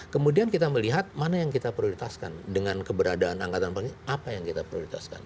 kemudian kita melihat mana yang kita prioritaskan dengan keberadaan angkatan apa yang kita prioritaskan